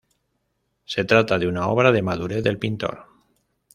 Se trata de una obra de madurez del pintor.